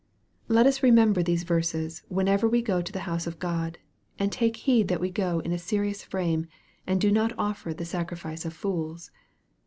Let us remember these verses whenever we go to the house of G od, and take heed that we go in a serious frame, and do not offer the sacrifice of fools.